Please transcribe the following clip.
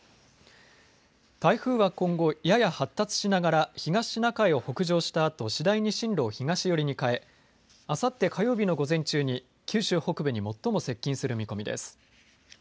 台風は今後やや発達しながら東シナ海を北上したあと次第に進路を東よりに変えあさって火曜日の午前中に九州北部に最も接近する見込みです。